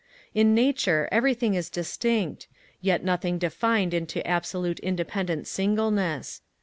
In nature everything is distinct, yet nothing defined into absolute independent singleness.